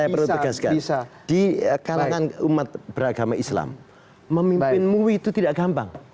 di kalangan umat beragama islam memimpin mui itu tidak gampang